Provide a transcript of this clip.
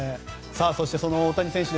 そして大谷選手